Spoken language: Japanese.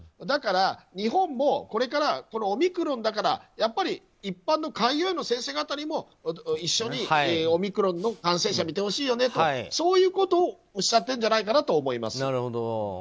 だから、日本もこれからオミクロンだからやっぱり一般の開業医の先生にも一緒にオミクロンの感染者を診てほしいよねとそういうことをおっしゃってるんじゃないかなと思います。